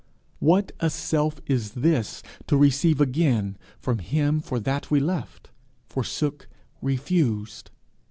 what a self is this to receive again from him for that we left, forsook, refused!